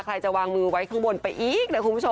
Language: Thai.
ใครจะวางมือไว้ข้างบนไปอีก